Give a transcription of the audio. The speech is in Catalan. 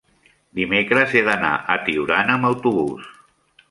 dimecres he d'anar a Tiurana amb autobús.